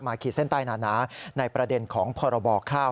ขีดเส้นใต้นาในประเด็นของพรบข้าว